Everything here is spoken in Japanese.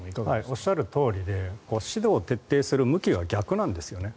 おっしゃるとおりで指導を徹底する向きが逆なんですよね。